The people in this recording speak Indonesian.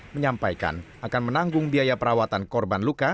menyampaikan akan menanggung biaya perawatan korban luka